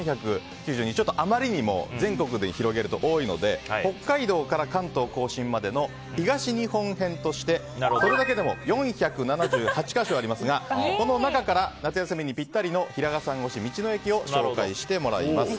ちょっとあまりにも全国で広げると多いので北海道から関東・甲信までの東日本編としてこれだけでも４７８か所ありますがこの中から夏休みにぴったりの平賀さん推し道の駅を紹介してもらいます。